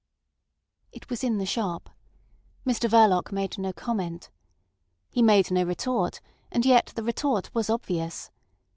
It was in the shop. Mr Verloc made no comment. He made no retort, and yet the retort was obvious.